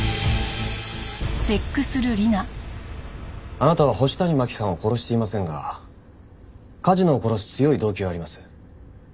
あなたは星谷真輝さんを殺していませんが梶野を殺す強い動機はあります。